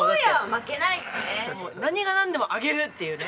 何がなんでも上げるっていうね